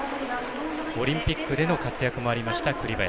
オリンピックでの活躍もありました栗林。